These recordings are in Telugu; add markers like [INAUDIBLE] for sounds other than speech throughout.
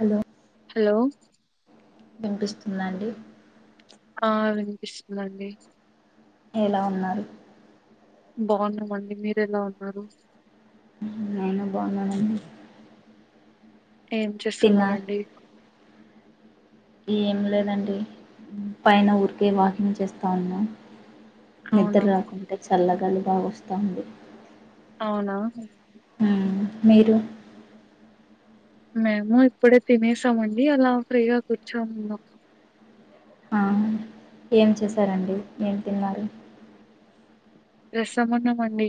హలో హలో వినిపిస్తుందండి ఆ వినిపిస్తుందండి ఎలా ఉన్నారు బాగున్నామండి మీరు ఎలా ఉన్నారు నీను బాగున్నానండి ఏం తిన్నా చేస్తున్నరండి ఏం లేదండి పైన ఊరికే వాకింగ్ చేస్తా ఉన్నా అవునా నిద్ర రాకుంటే చల్లగాలి బాగా వస్తుంది అవునా మీరు మేము ఇప్పుడే తినేసామండి అలా ఫ్రీగా కూర్చాము మాకు ఏం చేశారండి ఏం తిన్నారు రసముఆన్నామండి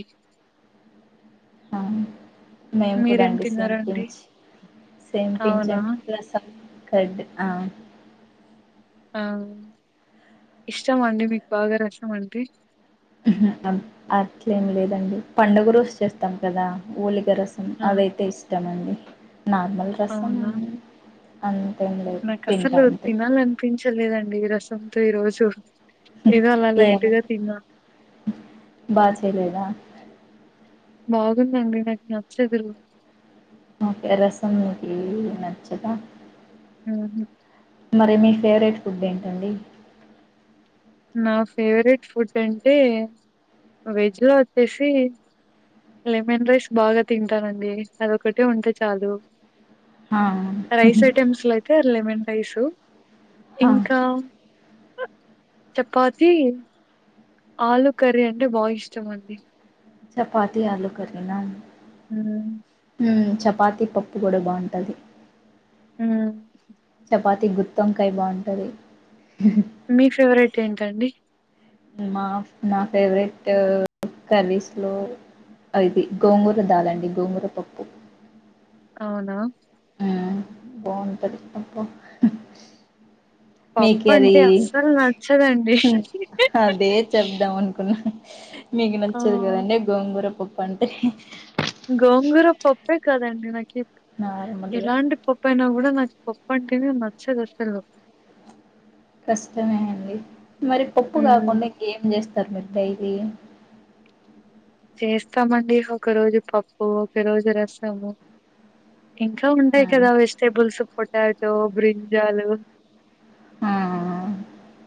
ఆ మేము కూడా తిన్నారండి సేమపించ అవునా సేమపించండి రసం కార్డ్ ఆ ఆ ఇష్టం అండి మీకు బాగా రసం అంటే అట్లేం లేదండి పండుగ రోజు చేస్తాం కదా ఊలి క్క రసం ఆ అవి అయితే ఇష్టం అండి నార్మల్ రసం అవునా అన్ నాకు అసలు తినాలనిపించలేదండి రసంతో ఈ రోజు ఏదో అలా లైట్గా ఏమైంది తిన్నా బా చేయలేదా? బాగుందండి నాకు నచ్చదు ఓకే రసం మీకి నచ్చదా ఆ మరి మీ ఫేవరెట్ ఫుడ్ ఏంటండి నా ఫేవరెట్ ఫుడ్ అంటే వెజ్ లో వచ్చేసి లెమన్ రైస్ బాగా తింటానండి అదొ ఒకటే ఉంటే చాలు ఆ! రైస్ ఐటెమ్స్లా అయితే లెమన్ రైసు ఆ! ఇంకా చపాతి ఆలు కర్రీ అంటే బా ఇష్టం ఉంది చపాతి ఆలూ కర్రీ నా అండి ఆ చపాత పప్పు కూడా బాగుంటుంది హ చపాతి గుత్తంకాయ బాగుంటది మీ ఫేవరెట్ ఏంటండి మా నా ఫేవరెట్ కరీస్ లో అయిది గోంగూర దాలండి గోంగూర పప్పు అవునా ఉమ్ బాగుంటది మీక పప్పు అది అంటే అస్సలు నచ్చదండి అదే చెప్దాం అనుకున్నా మీకు ఆ నచ్చదు కదండి గోంగూర పప్పు అంటే గోంగూర పప్పే కదండి నాకు నార్మల్గా ఎలాంటి పప్పు అయినా కూడా నాకు పప్పు పప్పంటిని నచ్చదు అసలు కష్టమే అండి మరి పప్పు హ్మ్ కాకుండా ఇంకేం చేస్త ఇది [INAUDIBLE] చేస్తామండి ఒక రోజు పప్పు ఒక రోజు రసము ఇంకా ఆ ఉంటాయి కదా వెజిటేబుల్స్ పొటాతో బ్రింజాలు ఆ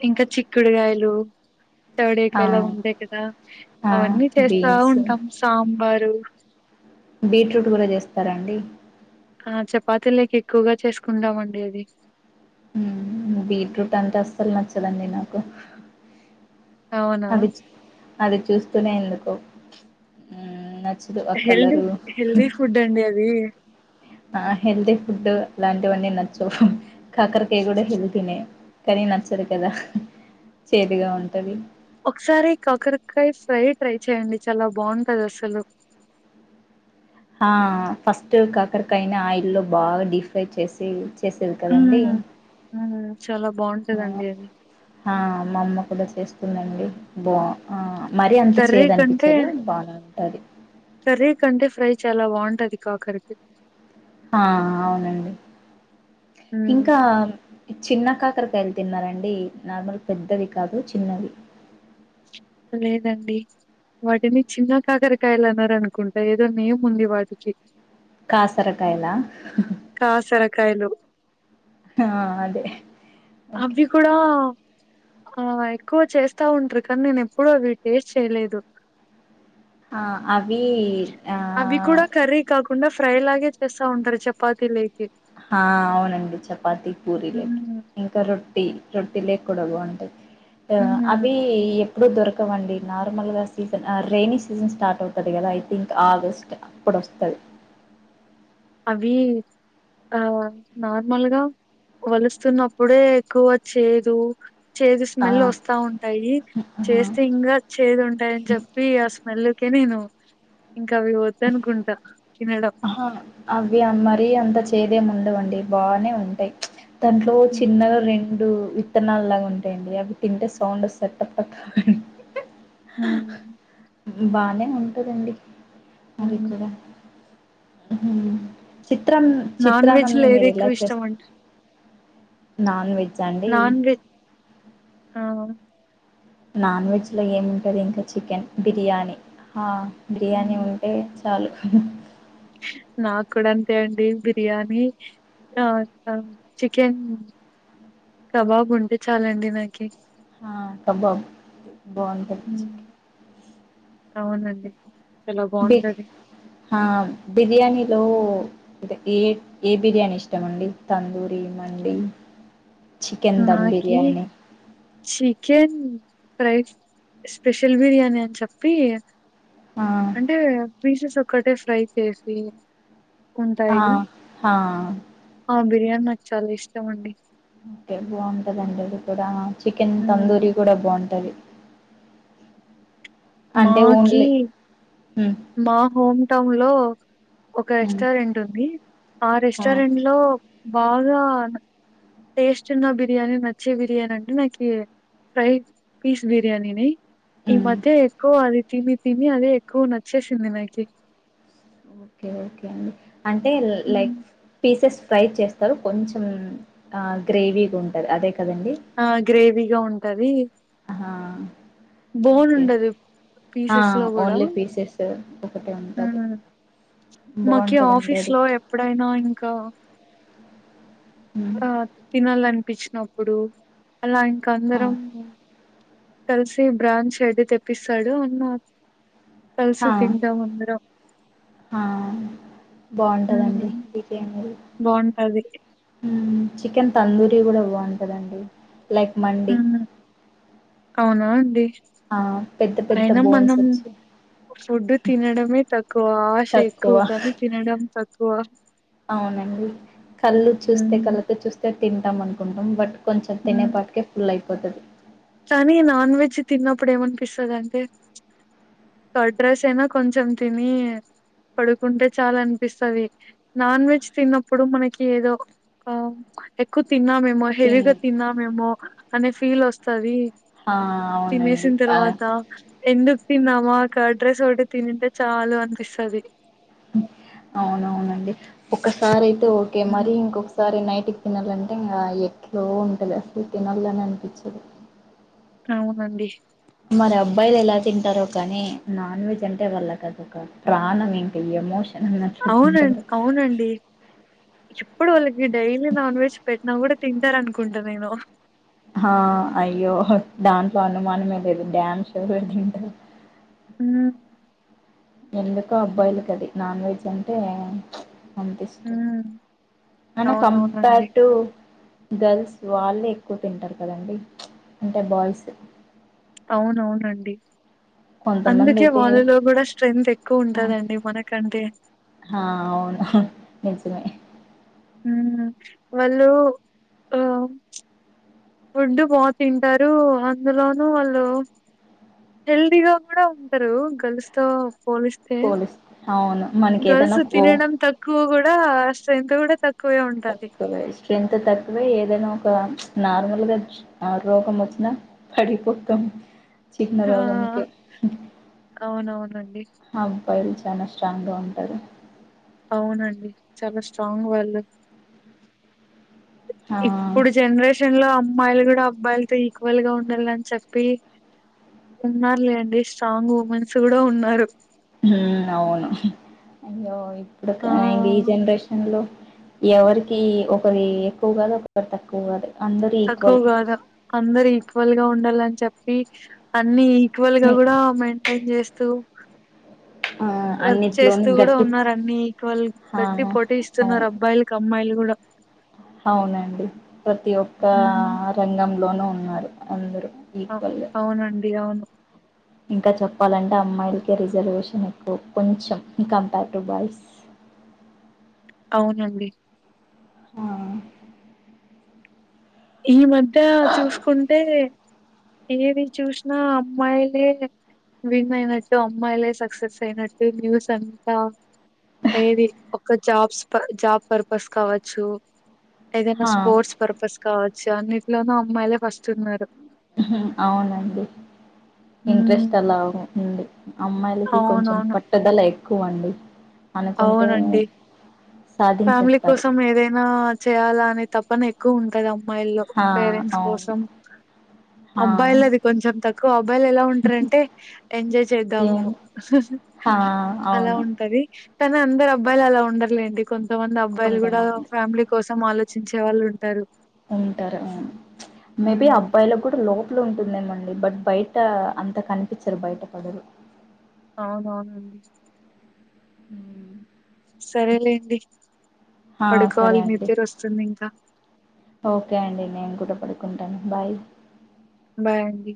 ఇంకా చిక్కుడుగాయలు థర్డ ఆ ఏకాయలా ఉండే కదా ఆ అవన్నీ చేస్తా బీన్స్ ఉంటాం సాంబార్ బీట్రూట్ కూడా చేస్తారాండి ఆ చపాతీ లోకి ఎక్కువగా చేసుకుందామండి అది బీట్రూట్ అంటే అసలు నచ్చదండి నాకు అవునా అది అది చూస్తూనే ఎందుకు హెల్దీ హెల్దీ ఫుడ్ అండి అది ఆ హెల్తీ ఫుడ్ అలాంటివన్నీ నచ్చువు కాకరకాయ కూడా హెల్తినే కానీ నచ్చదు కదా చేదుగా ఉంటుంది ఒకసారి కాకరకాయ ఫ్రై ట్రై చేయండి చాలా బాగుంటది అసలు ఆ ఫస్ట్ కాకరకాయనా ఆయిల్ లో బాగా డీప్ ఫ్రై చేసి చేసేది కదండీ మ్మ్ మ్మ్ చాలా బాగుంటదండి అది ఆ మా అమ్మ కూడా చేస్త ఉంటాది అండి బా ఆ మరీ అంత కర్రీ చేదు కంటే అనిపించేదు బానే ఉంటుంది కర్రీ కంటే ఫ్రై చాలా బాంటది కాకరకాయ్ ఆ అవునండి మ్మ్ ఇంకా చిన్న కాకరకాయలు తిన్నారండి నార్మల్ పెద్దవి కాదు చిన్నవి లేదండి వాటిని చిన్న కాకరకాయలు అన్నార అనుకుంటా ఏదోనే నేమ్ ఉంది వాటికి కాసరకాయలా కాసరకాయలు. ఆ అదే ఓకే అవి కూడా ఆ ఎక్కువ చేస్తా ఉంట్రు కానీ నేను ఎప్పుడు అవి టేస్ట్ చేయలేదు ఆ అవి ఆ అవి కూడా కర్రీ కాకుండా ఫ్రై లాగే చేస్తా ఉంటారు చపాతీ లే హా అవునండి చపాతి పూరి రేట్ హ్మ్. రొట్టి రొట్టిలే కూడ బాంటది ట హ్మ్. అవి ఇప్పుడు దొరకవండి నార్మల్గా సీజన్ రైనీ సీజన్ స్టార్ట్ అవుతుంది కదా ఐ థింక్ ఆగస్ట్ అప్పుడు వస్తది అవి ఆ నార్మల్గా వలుస్తున్నప్పుడే ఎక్కువ చేదు చేదు ఆ, స్మెల్ వస్తా ఉంటాయి ఆ. చేస్తే ఇంగ చేదు ఉంటాయని చెప్పి ఆ స్మెల్ కే నేను ఇంకా అవి వద్ద అనుకుంటా ఆహా అవి మరీ అంత చేదేం ఉండవండి బానే ఉంటాయి దాంట్లో హ్మ్. చిన్నగా రెండు విత్తనాలు లాగా ఉంటాయండి అవి తింటే సౌండ్ వస్తది టప టప అని హ్మ్. బానే ఉంటదండి అది హ్మ్. కూడా చిత్రం నాన్ చిత్రా వెజ్‌లో అన్నంన్నీ మీరు ఇలా ఏదెక్కువ చేస్ ఇష్టమండి? నాన్ వె నాన్ వెె ఆ నాన్ వెజ్ లో ఏముంటది ఇంకా చికెన్ బిర్యానీ హ బిర్యానీ హ్మ్. ఉంటే చాలు నాకు కూడా అంతే అండి బిర్యానీ ఆ చికెన్ కబాబ్ ఉంటే చాలండి నాకి హా కాబాబ్ బావుంటది హ్మ్. అవునండి. చాలా బి బావుంటది. హా బిర్యానీ లో ఏ ఏ బిర్యానీ ఇష్టమండి తందూరి మండి చికెన్ దమ్ నాకి biryani chicken fry special biryani అని చెప్పి ఆ అంటే పీసెస్ ఒక్కటే ఫ్రై చేసి ఆ ఉంటాయి ఆ ఆ బిర్యానీ నాకు చాలా ఇష్టం అండి ఓకే బావుంటదండి అది కూడా చికెన్ హ్మ్. తందూరి కూడా బాంటది అంటే మాకి ఓన్లీ ఉమ్ మా హోమ్ టౌన్ లో ఒక ఉమ్ రెస్టారెంట్ ఉంది ఆ రెస్టారెంట్ లో బాగా టేస్ట్ ఉన్న బిర్యానీ నచ్చే బిర్యానీ అంటు నాకి ఫ్రై పీస్ బిర్యానీనే ఈ ఉమ్ మధ్య ఎక్కువ అది తిని తిని అదే ఎక్కువ నచ్చేసింది నాకి ఓకే ఓకే అండి అంటే లైక్ పీసెస్ ఫ్రై చేస్తారు కొంచెం గ్రేవీగా ఉంటది అదే కదండి ఆ గ్రేవీగా ఉంటది ఆహా బోన్ ఓకే ఉండదు. ఆ పీసెస్ లో కూడా ఓన్లీ పీసెస్ ఒకటే ఉంటది హ్మ్ మాకి బాగుంటదండి ఆఫీస్ అది లో ఎప్పుడైనా ఇంకా హ్మ్ ఆ తినల్ల అనిపిచ్చినప్పుడు అలా ఇంకా హా అందరం కలిసి బ్రాండ్స్ అయితే తెప్పిస్తాడు అన్నా కలిసి హా తింటాం అందరం బాంటదండి మీకేమి బ్వాంటది చికెన్ తందూరి గూడా బ్వాంటదండి లైక్ మండి ఉమ్ అవునా అండి ఆ పెద్ద పెద్ద బోన్సొచ్చి ఫుడ్డు తినడమే తక్కువ ఆశ తక్కువ ఎక్కువ కానీ తినడం తక్కువ అవునండి కళ్ళు చూస్తే ఉమ్ కళ్ళతో చూస్తే తింటాం అనుకుంటాం బట్ కొంచెం ఉమ్ తినేపాటికే ఫుల్ అయిపోతది కానీ నాన్ వెజ్ తిన్నప్పుడు ఏమనిపిస్తదంటే కర్డ్ రైస్ అయినా కొంచెం తిని పడుకుంటే చాలనిపిస్తది నాన్ వెజ్ తిన్నప్పుడు మనకి ఏదో కో ఎక్కువ తిన్నామేమో తిన్ హెవీగా తిన్నామేమో అనే ఫీల్ వస్తది ఆ అవునండి తినేసిన ఆ తర్వాత ఎందు తిన్నామా కర్డ్ రైస్ ఒక్కటే తినింటే చాలు అనిపిస్తది అవునవునండి ఒకసారి అయితే ఓకే మరీ ఉమ్ ఇంకొకసారి నై టికి తినాలంటే ఇంగ ఎట్లో ఉంటది అస్సలు తినాల్లనే అనిపిచ్చదు అవునండి మరి అబ్బాయిలు ఎలా తింటారో కానీ నాన్ వెజ్ అంటే వాళ్ళకదొక ప్రాణం ఇంక ఎమోష అవునం అవునండి ఎప్పుడు వాళ్ళకి డైలీ నాన్ వెజ్ పెట్టినా గుడా తింటారనుకుంటా నేను హా అయ్యో దాంట్లో అనుమానమే లేదు డ్యామ్ ష్యుర్ గా దింటారు మ్ ఎందుకో అబ్బాయిలకైది నాన్ వెజ్ అంటే అంతిష్టం హ్మ్. అయినా కంపార్ అవునవునండి. టు గర్ల్స్ వాళ్ళే ఎక్కువ తింటారు కదండి అంటే బాఇసు అవునవునండి కొంతమంది అందుకే అయితే వాళ్ళలో గుడా స్ట్రెంగ్తు ఎక్కువ ఉంటదండి మనకంటే హా అవును నిజమే హూమ్ వాళ్ళు ఆ ఫుడ్డు బా తింటారు అందులోనూ వాళ్ళు హెల్దీగా గూడా ఉంటారు గల్స్తో పోలిస్తే పోలిస్ అవును మనకి గర్ల్స్ ఏదైనా ఓ తినడం తక్కువ కూడా స్ట్రెంత్ గూడా తక్ తక్కువే స్ట్రెంత్ తక్కువే ఏదెనో నార్మల్ గా ఆ రోగం వచ్చినా పడిపోతాం ఆ! చన్నరోగంకే అవునవునండి. అబ్బాయిల్ చానా స్ట్రాంగ్ గా ఉంటారు అవునండి చాలా స్ట్రాంగ్ వాళ్ళు ఆ ఇప్పుడు జనరేషన్ లో అమ్ అమ్మాయిలు గూడా అబ్బాయిలతో ఈక్వల్ గా ఉండల్లని చొప్పి ఉన్నారు లేండి స్ట్రాంగ్ ఉమెన్స్ గుడా ఉన్నారు అవును అయ్యో ఆ ఇప్పుడిక ఈ జెనరేషన్ లో ఎవరికి ఒకరి ఎక్కువ గాదు ఒకరి తక్కువ గాదు తక్కువ గాద అందరు ఈక్వల్ గా ఉండాలని చెప్పి అన్ని ఈక్వల్ గా గుడా మెయింటైన్ జేస్తూ ఆ వర్క్ అన్నిట్లోని చేస్తూ గుడా గట్టి ఉన్నారు అన్ని ఈక్వల్ ఆ గెట్టి పోటీ అవును ఇస్తున్నారు అబ్బాయిలకు అమ్మాయిలు ఉండ అవునండి ప్రతి ఒక్క ఉమ్ రంగంలోనూ ఉన్నారు అందరు అవునండి అవును ఇంకా చెప్పాలంటే అమ్మాయిలకే రిజర్వేషన్ ఎక్కువ కొంచెం కంపేర్ టు బాయ్స్ ఉ అవునండి ఆ ఈ మధ్య చూసుకుంటే ఏది చూసిన అమ్మాయిలే విన్ అయినట్టు అమ్మాయిలే సక్సెస్ అయినట్టు న్యూస్ అంతా ఏది ఒక జాబ్స్ జాబ్ పర్పస్ కావచ్చు ఏదైనా హా స్పోర్ట్స్ పర్పస్ కావచ్చు అన్నిట్లోనూ అమ్మాయిలే ఫస్ట్ ఉన్నారు అవునండి ఉమ్ ఇంట్రెస్ట్ అలా ఉంది అమ్మాయిలకి కొంచెం అవునవును పట్టుదల ఎక్కువ అండి అనుకుంటే అవునండి ఫ్యామిలీ సాధించేస్తారు కోసం ఏదైనా చేయాలా అనే తపన ఎక్ క్కువ ఉంటది అమ్మాయిల్లో హా పేరెంట్స్ అవును కోసం హా అబ్బాయిలది కొంచెం తక్కువ అబ్బాయిలు ఎలా ఉంటరంటే ఎంజాయ్ చేద్దాము ఏం హా అలా అవును ఉంటది కానీ అందరు అబ్బాయిలు అలా ఉండర్ లేండి కొంతమంది అబ్బాయిలు కూడా కొంతమంది ఫ్యామిలీ కోసం త్తం ఆలోచించే వాళ్ళు ఉంటారు ఉంటారు మే బి ఉమ్ అబ్బాయిలకు కూడా లోప ట్లు ఉంటుందేమండి బట్ బయట అంత కనిపించరు బయట పడరు అవునవునండి ఊ సరేలేండి హా సరే పడుకోవాలి అండి నిద్దరస్తుంది ఇంకా ఓకే అండి నేను కూడా పడుకుంటాను బాయ్ బాయ్ అండి